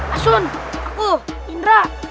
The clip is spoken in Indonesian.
asun aku indra